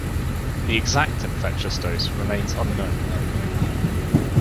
The exact infectious dose remains unknown.